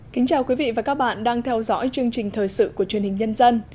kính chào quý vị và các bạn đang theo dõi chương trình thời sự của truyền hình nhân dân